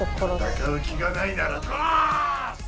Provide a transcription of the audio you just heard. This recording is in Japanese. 戦う気がないなら殺す！